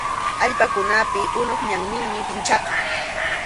Allpakunapi unup ñanninmi pinchaqa.